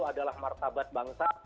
adalah martabat bangsa